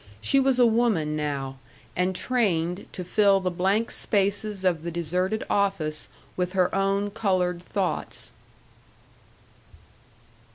She was a woman now, and trained to fill the blank spaces of the deserted office with her own colored thoughts.